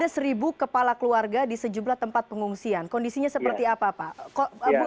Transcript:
ada seribu kepala keluarga di sejumlah tempat pengungsian kondisinya seperti apa pak